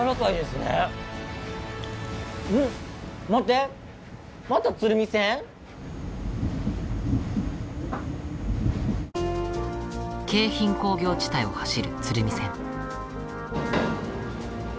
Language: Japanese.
待って京浜工業地帯を走る鶴見線。